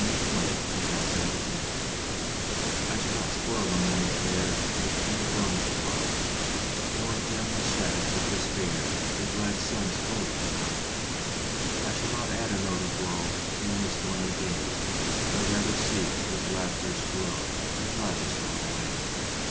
March Twenty first NO TRIBUTE SHALL not spoil a morning fair With any groans of mine, Nor dim with shadows of despair The glad sun s golden shine. I shall not add a note of woe To any stormy day, But rather seek with laughter s glow To drive the storm away.